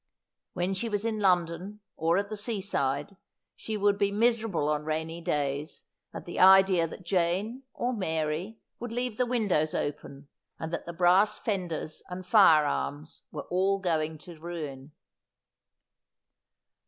When she was in London, or at the sea side, she would be miserable on rainy days at the idea that Jane or Mary would leave the windows open, and that the brass fenders and fire irons were all going to ruin.